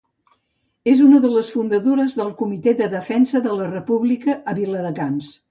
És una de les fundadores del Comitè de Defensa de la República a Viladecans.